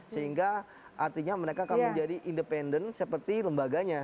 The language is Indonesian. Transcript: sehingga artinya mereka akan menjadi independen seperti lembaganya